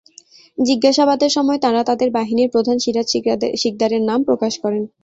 জিজ্ঞাসাবাদের সময় তাঁরা তাঁদের বাহিনীর প্রধান সিরাজ শিকদারের নাম প্রকাশ করেন।